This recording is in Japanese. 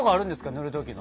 塗る時の。